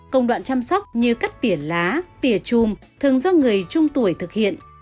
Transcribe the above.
công đoạn chăm sóc như cắt tỉa lá tỉa chùm thường do người trung tuổi thực hiện